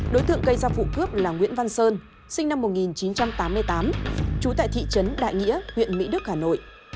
đối tượng gây ra vụ cướp là nguyễn văn sơn sinh năm một nghìn chín trăm tám mươi tám trú tại thị trấn đại nghĩa huyện mỹ đức hà nội